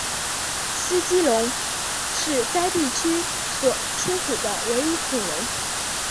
斯基龙是该地区所出土的唯一恐龙。